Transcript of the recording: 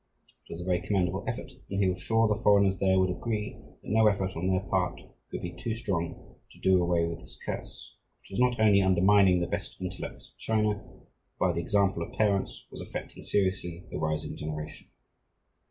It was a very commendable effort, and he was sure the foreigners there would agree that no effort on their part could be too strong to do away with this curse, which was not only undermining the best intellects of China, but by the example of parents was affecting seriously the rising generation.